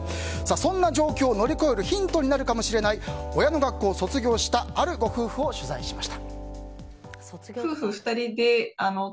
そんな状況を乗り越えるヒントになるかもしれない親のがっこうを卒業したある夫婦を取材しました。